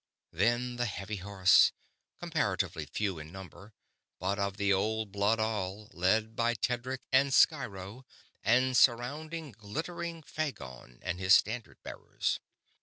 Then the Heavy Horse, comparatively few in number, but of the old blood all, led by Tedric and Sciro and surrounding glittering Phagon and his standard bearers.